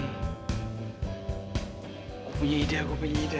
aku punya ide kok punya ide